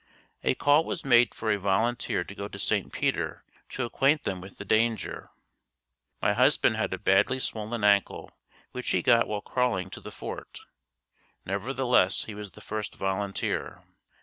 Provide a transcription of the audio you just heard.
A call was made for a volunteer to go to St. Peter to acquaint them with the danger. My husband had a badly swollen ankle which he got while crawling to the fort. Nevertheless, he was the first volunteer.